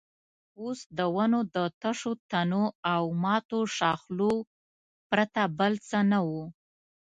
اوس د ونو د تشو تنو او ماتو ښاخلو پرته بل څه نه وو.